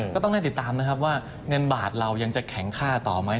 ก็ต้องได้ติดตามนะครับว่าเงินบาทเรายังจะแข็งค่าต่อไหม